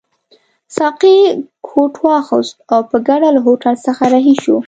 ساقي کوټ واغوست او په ګډه له هوټل څخه رهي شوو.